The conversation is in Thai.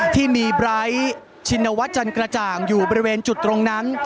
ที่มีไบร์ทชินวัฒน์จันกระจ่างอยู่บริเวณจุดตรงนั้น